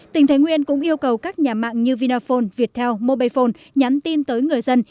tỉnh thái nguyên cũng yêu cầu các nhà mạng như vinaphone viettel mobifone nhắn tin tới người dân